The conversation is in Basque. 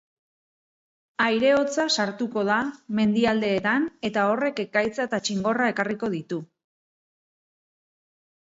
Aire hotza sartuko da mendialdeetan eta horrek ekaitza eta txingorra ekarriko ditu.